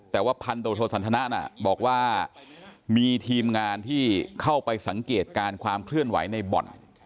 แต่ว่าพันธุโทษสันทนะบอกว่ามีทีมงานที่เข้าไปสังเกตการณ์ความเคลื่อนไหวในบ่อน